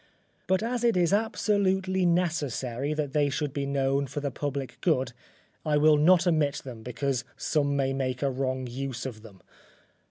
But as it is absolutely necessary that they should be known for the public good, I will not omit them because some may make a wrong use of them.